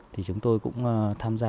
thì chúng tôi cũng tham gia